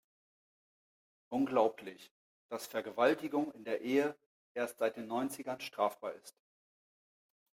Unglaublich, dass Vergewaltigung in der Ehe erst seit den Neunzigern strafbar ist.